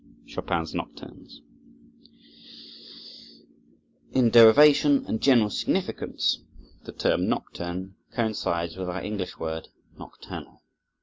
Chopin's Nocturnes In derivation and general significance the term nocturne coincides with our English word nocturnal.